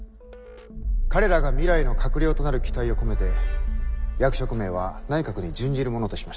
「彼らが未来の閣僚となる期待を込めて役職名は内閣に準じるものとしました」。